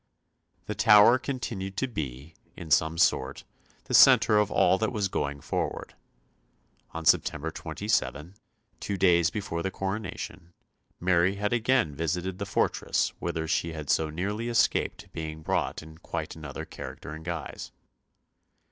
The Tower continued to be, in some sort, the centre of all that was going forward. On September 27, two days before the coronation, Mary had again visited the fortress whither she had so nearly escaped being brought in quite another character and guise.